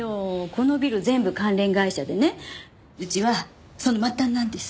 このビル全部関連会社でねうちはその末端なんです。